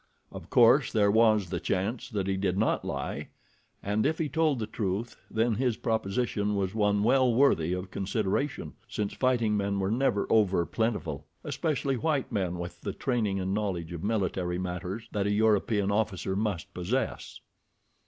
Of course there was the chance that he did not lie, and if he told the truth then his proposition was one well worthy of consideration, since fighting men were never over plentiful—especially white men with the training and knowledge of military matters that a European officer must possess.